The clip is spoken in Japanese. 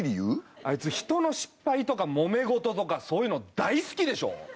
あいつひとの失敗とかもめ事そういうの大好きでしょ。